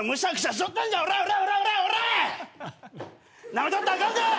なめとったらあかんぞ！